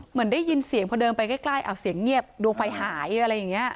เหมือนได้ยินเสียงพอเดินไปใกล้เสียงเงียบดวงไฟหายอะไรอย่างนี้